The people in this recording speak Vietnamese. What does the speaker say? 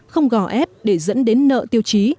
không gò ép để dẫn đến nợ tiêu chí